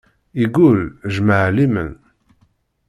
Yeggul, jmaɛ liman.